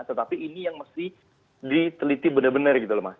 tetapi ini yang mesti diteliti benar benar gitu loh mas